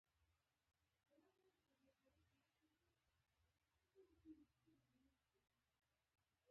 ټپي سړی زړه نا زړه وي.